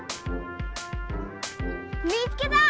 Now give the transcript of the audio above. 見つけた！